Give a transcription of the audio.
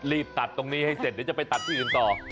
รีบตัดตรงนี้ให้เสร็จเดี๋ยวจะไปตัดที่อื่นต่อ